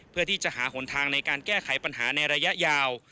เพื่อที่จะหาหนทางในการแก้ไขปัญหาในระยะยาว